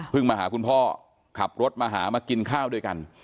มาหาคุณพ่อขับรถมาหามากินข้าวด้วยกัน